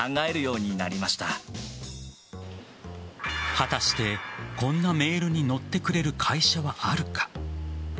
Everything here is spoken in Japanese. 果たしてこんなメールに乗ってくれる会社はあるか。